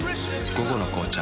「午後の紅茶」